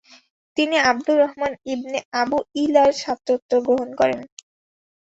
তিনি Abdur Rahman ibn Abu ই’লার ছাত্রত্ব গ্রহণ করেন।